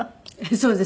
そうです。